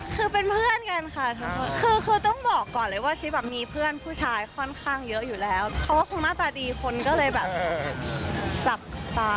ก่อนที่พี่นักข่าวจะลากบอยมาสัมภาษณ์คู่เมื่อชิปปี้บอกถ้าเฮียบอยให้อังปาวจะยอมเป็นแฟนอ้าวงานนี้ฟินขนาดไหนไปดูกันค่ะ